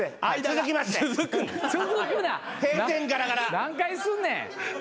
何回すんねん。